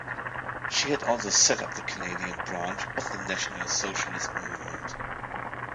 She had also set up a Canadian branch of the National Socialist Movement.